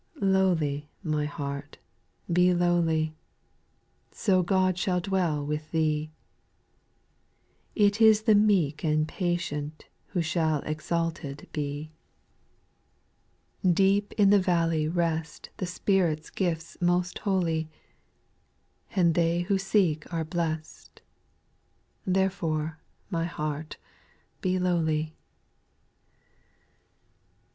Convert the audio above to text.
4. Lowly, my heart, be lowly. So God shall dwell with Thee; It is the meek and patient Who shall exalted be. 142 SPIRITUAL SONGS. Deep in the valley rest The Spirit's gifts most holy, And they who seek are blest, — Therefore, my heart, be lowly.